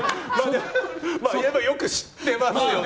よく知ってますよね。